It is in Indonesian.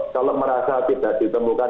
kalau merasa tidak ditemukan